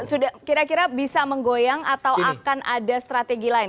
sudah kira kira bisa menggoyang atau akan ada strategi lain